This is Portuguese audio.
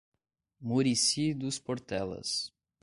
Murici dos Portelas